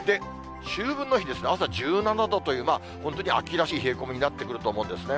秋分の日ですね、朝１７度という、本当に秋らしい冷え込みになってくると思うんですね。